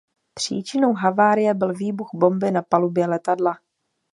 Příčinou havárie byl výbuch bomby na palubě letadla.